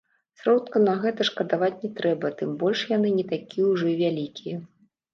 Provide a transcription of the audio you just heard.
Сродкаў на гэта шкадаваць не трэба, тым больш яны не такія ўжо і вялікія.